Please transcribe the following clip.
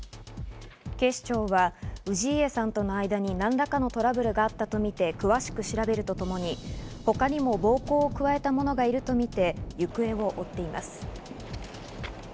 警視庁は氏家さんとの間に何らかのトラブルがあったとみて詳しく調べるとともに他にも暴行を加えたものがいるとみて行方を追っています。